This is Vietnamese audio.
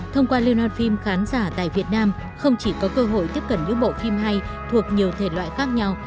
thông qua liên hoan phim khán giả tại việt nam không chỉ có cơ hội tiếp cận những bộ phim hay thuộc nhiều thể loại khác nhau